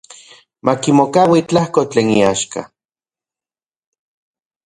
Makimokaui tlajko tlen iaxka.